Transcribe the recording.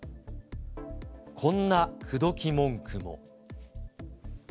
こんな口説き文句も。